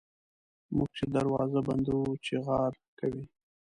موږ چي دروازه بندوو چیغهار کوي.